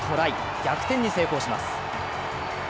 逆転に成功します。